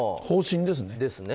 方針ですね。